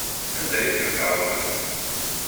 Anda ay ten-tɛawnemt?